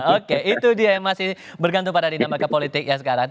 oke itu dia yang masih bergantung pada dinamika politik yang sekarang